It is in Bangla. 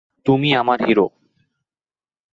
তুমি আমার হিরো।